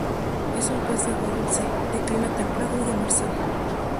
Es un pez de Agua dulce, de clima templado y demersal.